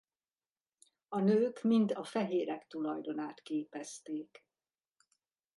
A nők mind a fehérek tulajdonát képezték.